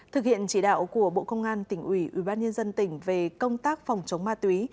thực hiện chỉ đạo của bộ công an tỉnh ủy ủy ban nhân dân tỉnh về công tác phòng chống ma túy